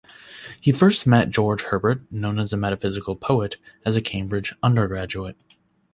He first met George Herbert, known as a metaphysical poet, as a Cambridge undergraduate.